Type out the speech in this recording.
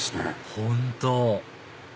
本当！